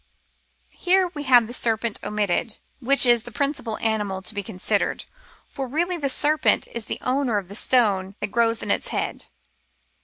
294 The Philosopher's Stone Here we have the serpent omitted, which is the principal animal to be considered, for really the serpent is the owner of the stone that grows in its head.